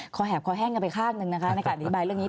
แหบคอแห้งกันไปข้างหนึ่งนะคะในการอธิบายเรื่องนี้